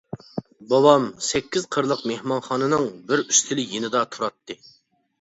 بوۋام سەككىز قىرلىق مېھمانخانىنىڭ بىر ئۈستىلى يېنىدا تۇراتتى.